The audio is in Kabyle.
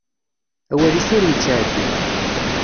Awal-is ur yettεeddi.